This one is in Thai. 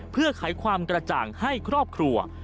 เพื่อไขความกระจ่างให้ครอบครัว